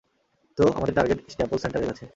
তো, আমাদের target Staples সেন্টারের কাছে।